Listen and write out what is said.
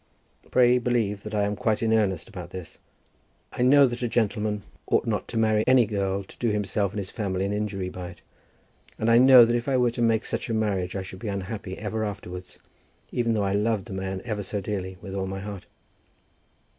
Pray believe that I am quite in earnest about this. I know that a gentleman ought not to marry any girl to do himself and his family an injury by it; and I know that if I were to make such a marriage I should be unhappy ever afterwards, even though I loved the man ever so dearly, with all my heart.